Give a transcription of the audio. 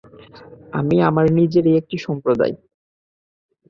আমি আমার নিজেরই একটি সম্প্রদায়।